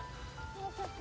もうちょっと。